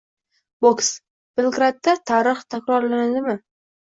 Boks: Belgradda tarix takrorlanadimi?ng